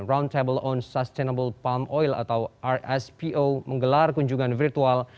round table on sustainable palm oil atau rspo menggelar kunjungan virtual